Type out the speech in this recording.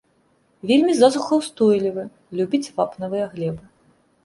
Вельмі засухаўстойлівы, любіць вапнавыя глебы.